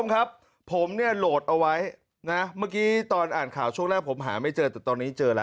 ครับผมเนี่ยโหลดเอาไว้นะเมื่อกี้ตอนอ่านข่าวช่วงแรกผมหาไม่เจอแต่ตอนนี้เจอแล้ว